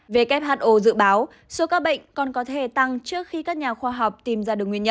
who dự báo số ca bệnh còn có thể tăng trước khi các nhà khoa học tìm ra được nguyên nhân